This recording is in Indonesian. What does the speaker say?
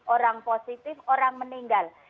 orang positif orang meninggal